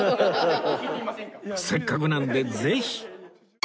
せっかくなんでぜひ！